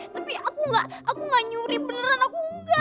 tapi aku nggak nyuri beneran aku nggak